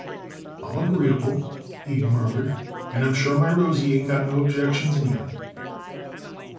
"I'm agreeable," Abe murmured, "and I'm sure my Rosie ain't got no objections neither."